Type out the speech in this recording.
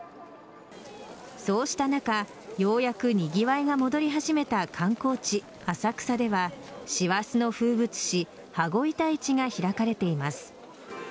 そうした中ようやくにぎわいが戻り始めた観光地・浅草では師走の風物詩羽子板市が開かれています。